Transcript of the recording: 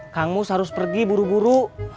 kang mus harus pergi buru buru